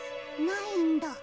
ないんだ。